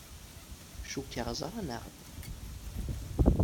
Cukkeɣ ẓran-aɣ-d.